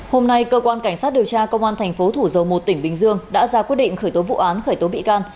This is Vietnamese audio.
hôm nay cơ quan cảnh sát điều tra công an thành phố thủ dầu một tỉnh bình dương đã ra quyết định khởi tố vụ án khởi tố bị can